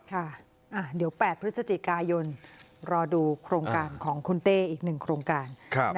ค่ะเดี๋ยว๘พฤศจิกายนรอดูโครงการของคุณเต้อีก๑โครงการ